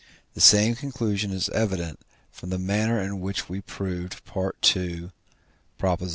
The same conclusion is evident from the manner in which we proved II. xii.